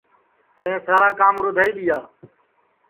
ہریشان سارا کام رُدھائی دؔیا